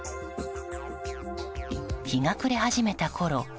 日が暮れ始めたころ